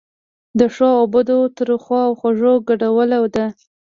د ښو او بدو، ترخو او خوږو ګډوله ده.